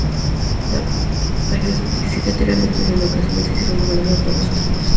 La periodicidad era mensual y en ocasiones se hicieron números dobles o triples.